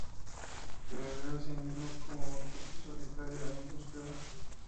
Y me veo a mí mismo como un tipo solitario en una búsqueda".